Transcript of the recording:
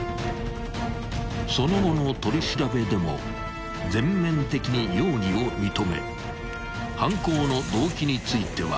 ［その後の取り調べでも全面的に容疑を認め犯行の動機については］